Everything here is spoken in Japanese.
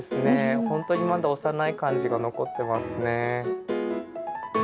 ほんとにまだ幼い感じが残ってますね。